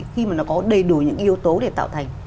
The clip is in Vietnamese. khi mà nó có đầy đủ những yếu tố để tạo thành